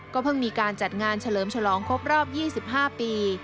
เพิ่งมีการจัดงานเฉลิมฉลองครบรอบ๒๕ปี